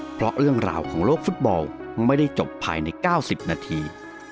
เพราะเรื่องราวของโลกฟุตบอลไม่ได้จบภายใน๙๐นาที